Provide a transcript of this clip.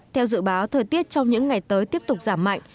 theo dự báo thời tiết trong những ngày tới tiếp tục giảm mạnh